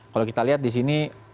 kalau kita lihat di sini